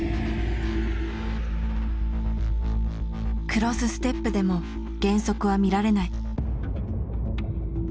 クロスステップでも減速は見られない。